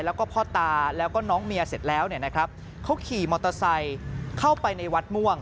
แล้วก็พ่อตาแล้วก็น้องเมียเสร็จแล้วเนี่ยนะครับเขาขี่มอเตอร์ไซค์เข้าไปในวัดม่วง